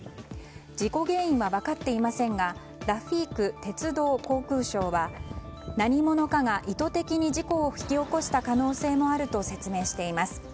事故原因は分かっていませんがラフィーク鉄道・航空相は何者かが意図的に事故を引き起こした可能性もあると説明しています。